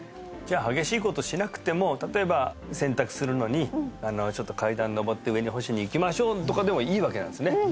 じゃあ激しいことしなくても例えば洗濯するのにちょっと階段上って上に干しに行きましょうとかでもいいわけなんですね